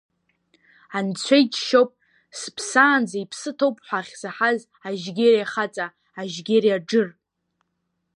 Анцәа иџьшьоуп, сыԥсаанӡа иԥсы ҭоуп ҳәа ахьсаҳаз Ажьгьери ахаҵа, Ажьгьери аџыр.